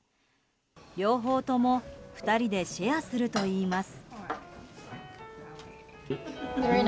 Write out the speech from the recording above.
両方とも２人でシェアするといいます。